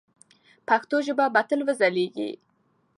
پښتو ژبه به تل وځلیږي.